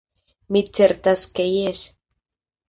Mi certas ke jes.